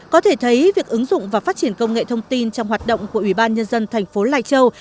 có thể thấy việc ứng dụng và phát triển công nghệ thông tin trong hoạt động của ủy ban nhân dân thành phố lai châu